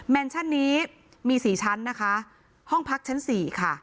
นชั่นนี้มีสี่ชั้นนะคะห้องพักชั้นสี่ค่ะ